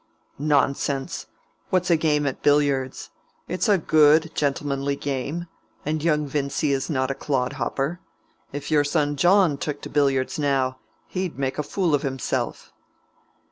"Nonsense! What's a game at billiards? It's a good gentlemanly game; and young Vincy is not a clodhopper. If your son John took to billiards, now, he'd make a fool of himself."